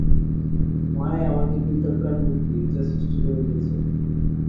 উহাই আমাদের ভিতরকার মুক্তির ইচ্ছা সৃষ্টি করিতেছে।